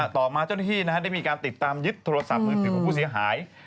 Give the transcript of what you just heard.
ต่อมาเจ้าหน้าที่ได้มีการติดตามยึดโทรศัพท์มือถือของผู้เสียหาย